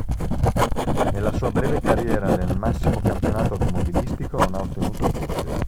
Nella sua breve carriera nel massimo campionato automobilistico non ha ottenuto punti.